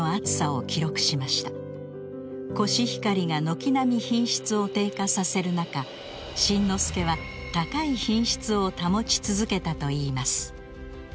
コシヒカリが軒並み品質を低下させる中新之助は高い品質を保ち続けたといいます。